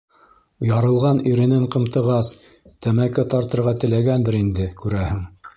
Ярылған иренен ҡымтығас, тәмәке тартырға теләгәндер инде, күрәһең.